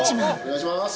お願いします。